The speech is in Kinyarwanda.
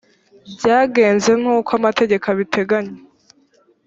byagenze n uko amategeko abiteganya